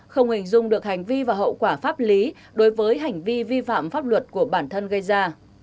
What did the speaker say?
không hình dung được hành vi và hậu quả pháp lý đối với hành vi vi phạm pháp luật của bản thân gây ra